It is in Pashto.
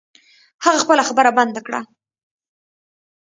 هغه خپله خبره بند کړه.